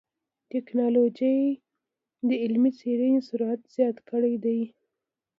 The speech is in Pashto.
ټکنالوجي د علمي څېړنو سرعت زیات کړی دی.